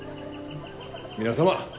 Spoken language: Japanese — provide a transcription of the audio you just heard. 皆様